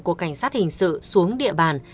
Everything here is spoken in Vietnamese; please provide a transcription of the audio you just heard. của cảnh sát hình sự xuống địa bàn